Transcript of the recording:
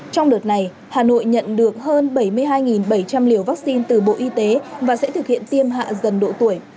trong đợt này hà nội nhận được hơn bảy mươi hai bảy trăm linh liều vaccine từ bộ y tế và sẽ thực hiện tiêm hạ dần độ tuổi